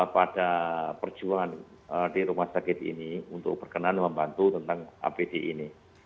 pada perjuangan di rumah sakit ini untuk berkenan membantu tentang apd ini